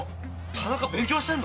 田中勉強してんの？